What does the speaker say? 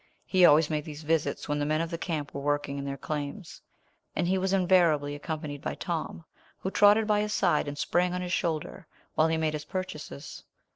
He always made these visits when the men of the camp were working in their claims; and he was invariably accompanied by Tom, who trotted by his side, and sprang on his shoulder while he made his purchases.